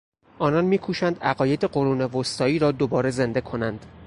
آنان میکوشند عقاید قرون وسطایی را دوباره زنده کنند.